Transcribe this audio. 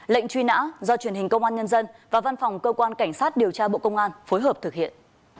lệnh truy nã do truyền hình công an nhân dân và văn phòng cơ quan cảnh sát điều tra bộ công an phối hợp thực hiện